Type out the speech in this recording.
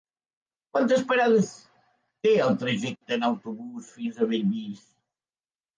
Quantes parades té el trajecte en autobús fins a Bellvís?